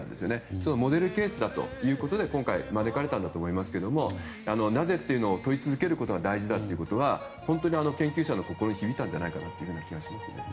そのモデルケースだということで今回招かれたんだと思いますけどなぜ？と問い続けることが大事だということは本当に研究者の心に響いた気がしますね。